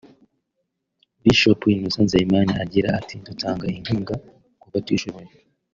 Bishop Innocent Nzeyimana agira ati “Dutanga inkunga ku batishoboye